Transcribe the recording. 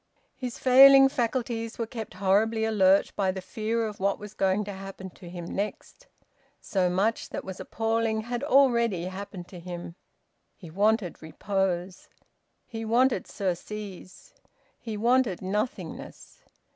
His failing faculties were kept horribly alert by the fear of what was going to happen to him next. So much that was appalling had already happened to him! He wanted repose; he wanted surcease; he wanted nothingness.